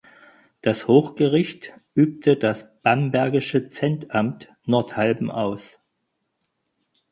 Das Hochgericht übte das bambergische Centamt Nordhalben aus.